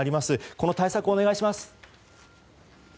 この対策をお願いします。